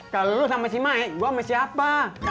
kalo lu sama si maik gua sama siapa